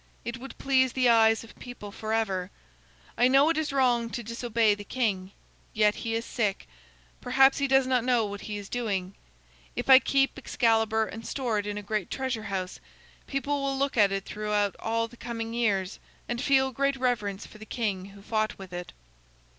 It would please the eyes of people forever. I know it is wrong to disobey the king. Yet he is sick; perhaps he does not know what he is doing. If I keep Excalibur and store it in a great treasure house, people will look at it throughout all the coming years, and feel great reverence for the king who fought with it."